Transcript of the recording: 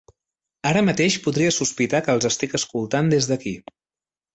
Ara mateix podria sospitar que els estic escoltant des d'aquí.